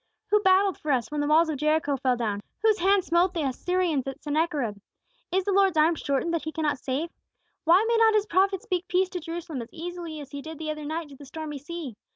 "Who battled for us when the walls of Jericho fell down? Whose hand smote the Assyrians at Sennacherib? Is the Lord's arm shortened that He cannot save? "Why may not His prophet speak peace to Jerusalem as easily as He did the other night to the stormy sea?